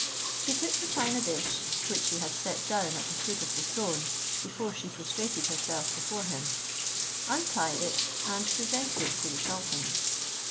She took the china dish, which she had set down at the foot of the throne, before she prostrated herself before him; untied it, and presented it to the sultan.